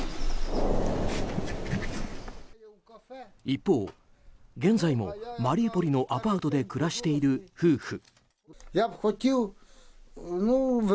一方、現在もマリウポリのアパートで暮らしている夫婦。